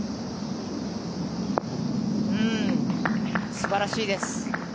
素晴らしいです。